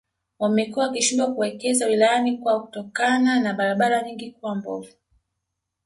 Wamekuwa wakishindwa kuwekeza wilayani kwao kutokana na barabara nyingi kuwa mbovu